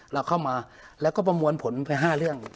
เราเข้ามาแล้วก็ประมวลผลไป๕เรื่อง